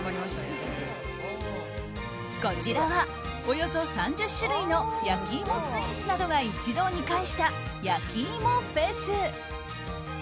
こちらは、およそ３０種類の焼き芋スイーツなどが一堂に会したやきいもフェス。